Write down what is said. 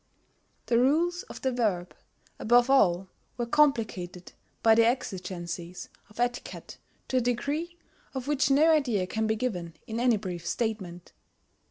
The rules of the verb, above all, were complicated by the exigencies of etiquette to a degree of which no idea can be given in any brief statement....